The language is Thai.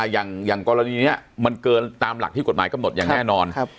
อย่างกรณีนี้มันเกินตามหลักที่กฎหมายกำหนดอย่างแน่นอน